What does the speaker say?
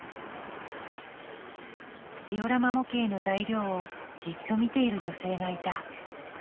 ジオラマ模型の材料をじっと見ている女性がいた。